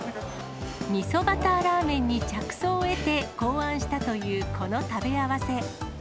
味噌バターらーめんに着想を得て考案したというこの食べ合わせ。